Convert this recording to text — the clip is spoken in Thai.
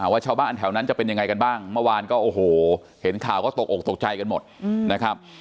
ว่าชาวบ้านแถวนั้นจะเป็นยังไงกันบ้างเมื่อวานก็โอ้โหเห็นข่าวก็ตกออกตกใจกันหมดนะครับ